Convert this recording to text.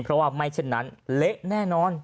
เพราะว่าไม่เช่นนั้นเละแน่นอน